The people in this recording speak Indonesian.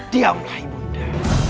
diamlah ibu nda